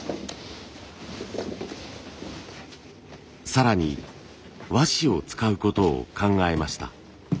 更に和紙を使うことを考えました。